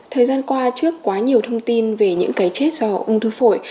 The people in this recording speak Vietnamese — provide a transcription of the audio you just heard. thời gian qua trước quá nhiều thông tin về những cái chết do ung thư phổi